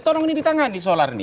tolong ini di tangan solar ini